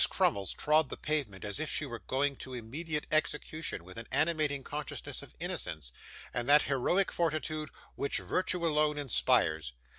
Crummles trod the pavement as if she were going to immediate execution with an animating consciousness of innocence, and that heroic fortitude which virtue alone inspires.